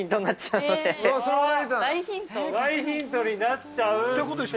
◆大ヒントになっちゃうので。